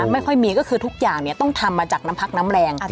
ไม่ค่อยมีก็คือทุกอย่างต้องทำมาจากน้ำพักน้ำแรง